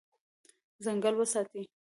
ځنګل وساتئ.